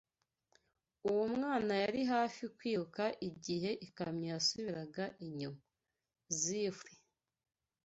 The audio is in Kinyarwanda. Uwo mwana yari hafi kwiruka igihe ikamyo yasubiraga inyuma. (Zifre)